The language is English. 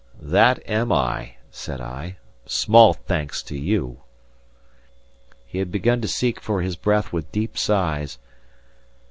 "That am I," said I. "Small thanks to you!" He had begun to seek for his breath with deep sighs.